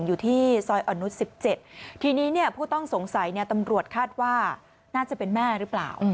อยู่ที่ซอยอ่อนนุษย์๑๗ทีนี้เนี่ยผู้ต้องสงสัยเนี่ยตำรวจคาดว่าน่าจะเป็นแม่หรือเปล่า